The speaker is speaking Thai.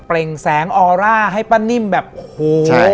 ่งแสงออร่าให้ป้านิ่มแบบโห